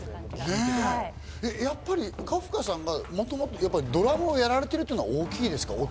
やっぱりカフカさんがもともとドラムをやられているっていうのが大きいですか？